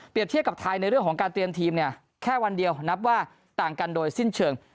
เทียบกับไทยในเรื่องของการเตรียมทีมเนี่ยแค่วันเดียวนับว่าต่างกันโดยสิ้นเชิง